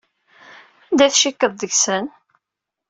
Anda ay tcikkeḍ deg-sen?